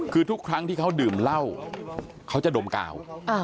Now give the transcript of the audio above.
คือทุกครั้งที่เขาดื่มเหล้าเขาจะดมกาว